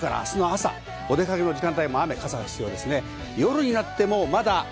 お出かけの時間帯も雨、傘が必要です。